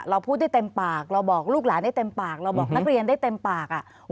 เราพูดได้เต็มปากเราบอกลูกหลานได้เต็มปากเราบอกนักเรียนได้เต็มปาก